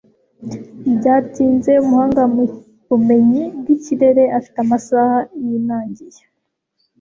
Byatinze umuhanga mu bumenyi bw'ikirere afite amasaha yinangiye